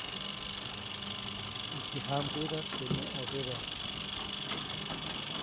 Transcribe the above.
Utye jãmbäda teʼ neʼ ʼõdedaʼm.